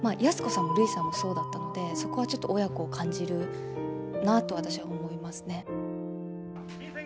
安子さんもるいさんもそうだったのでそこはちょっと親子を感じるなと私は思いますね。